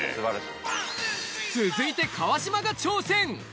続いて川島が挑戦。